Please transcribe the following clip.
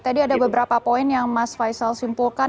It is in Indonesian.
tadi ada beberapa poin yang mas faisal simpulkan